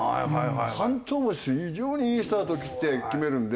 非常にいいスタートを切って決めるんで。